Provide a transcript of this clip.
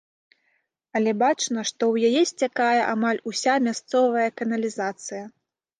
Але бачна, што ў яе сцякае амаль уся мясцовая каналізацыя.